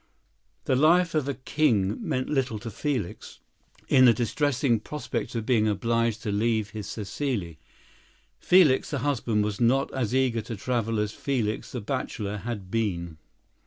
The life of a king meant little to Felix in the distressing prospect of being obliged to leave his Cécile. Felix, the husband, was not as eager to travel as Felix, the bachelor, had been.